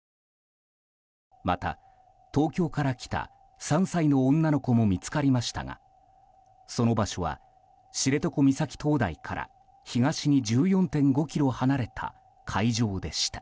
また、東京から来た３歳の女の子も見つかりましたがその場所は知床岬灯台から東に１４．５ｋｍ離れた海上でした。